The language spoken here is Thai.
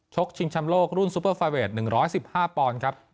ชิงชำโลกรุ่นซูเปอร์ไฟเวท๑๑๕ปอนด์ครับ